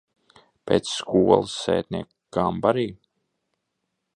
Pēc skolas sētnieka kambarī?